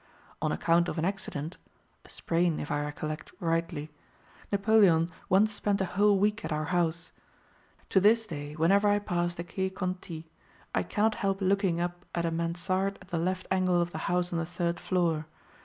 On account of an accident (a sprain, if I recollect rightly) Napoleon once spent a whole week at our house. To this day, whenever I pass the Quai Conti, I cannot help looking up at a 'mansarde' at the left angle of the house on the third floor.